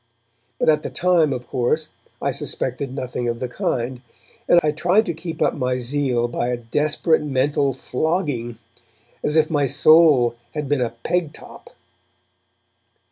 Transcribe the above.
But at the time, of course, I suspected nothing of the kind, and I tried to keep up my zeal by a desperate mental flogging, as if my soul had been a peg top.